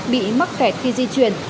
bị mắc kẹt khi di chuyển